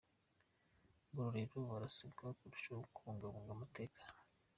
Ngororero Barasabwa kurushaho kubungabunga umutekano